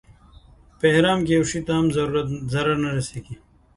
په احرام کې یو شي ته هم ضرر نه رسېږي.